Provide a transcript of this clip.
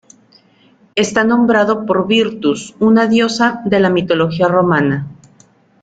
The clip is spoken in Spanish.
Está nombrado por Virtus, una diosa de la mitología romana.